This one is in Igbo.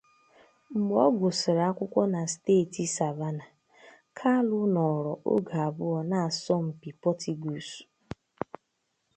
Mgbe ọ gụsịrị akwụkwọ na steeti Savannah, Kalu nọrọ oge abụọ na asọmpi Portuguese.